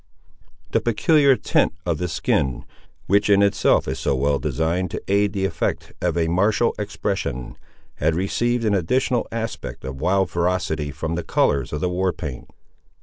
The peculiar tint of the skin, which in itself is so well designed to aid the effect of a martial expression, had received an additional aspect of wild ferocity from the colours of the war paint.